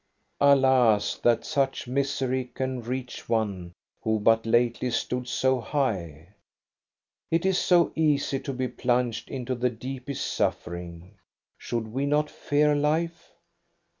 Alas, that such misery can reach one, who but lately stood so high ! It is so easy to be plunged into the deepest suffering ! Should we not fear life